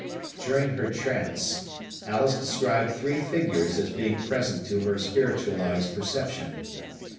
During her trance, Alice described three figures as being present to her spiritualized perception.